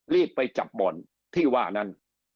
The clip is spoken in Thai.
รีบไปจับบ่อนที่ว่านั้น